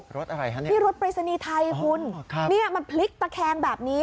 รถอะไรคะเนี่ยนี่รถปริศนีย์ไทยคุณเนี่ยมันพลิกตะแคงแบบนี้